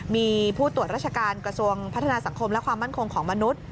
มีผู้ตรวจราชการกระทรวงพัฒนาสังคมและความมั่นคงของมนุษย์